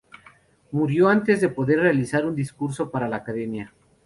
Murió antes de poder realizar su discurso para la academia.